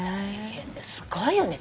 すごいよね。